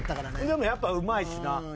でもやっぱうまいしな。